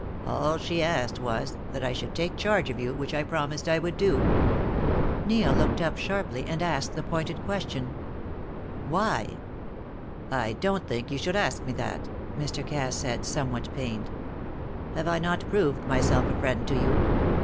All she asked was, that I should take charge of you, which I promised I would do." Neil looked up sharply, and asked the pointed question "Why?" "I don't think you should ask me that," Mr. Cass said, somewhat pained. "Have I not proved myself a friend to you?